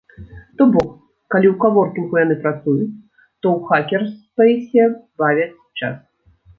То бок, калі ў каворкінгу яны працуюць, то ў хакерспэйсе бавяць час.